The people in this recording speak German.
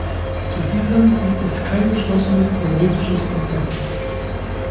Zu diesem gibt es kein geschlossenes theoretisches Konzept.